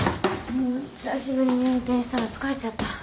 もう久しぶりに運転したら疲れちゃった。